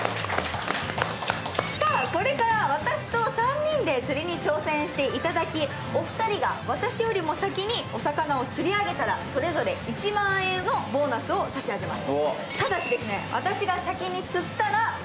これから私と３人で釣りに挑戦していただきお二人が私よりも先にお魚を釣り上げたらそれぞれ１万円のボーナスを差し上げます。